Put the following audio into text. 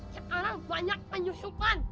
sekarang banyak penyusupan